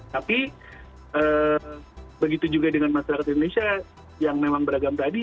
tapi begitu juga dengan masyarakat indonesia yang memang beragam tadi